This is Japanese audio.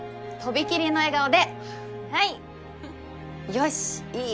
よしいい！